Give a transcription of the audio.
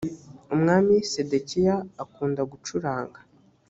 umwami sedekiya akunda gucuranga.